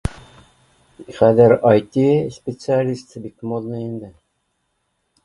Хәҙер it-срециалист бик модный инде